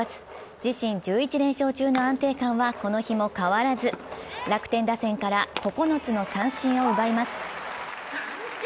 自身１１連勝中の安定感はこの日も変わらず楽天打線から９つの三振を奪います。